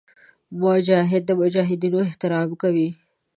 مجاهد د مجاهدینو احترام کوي.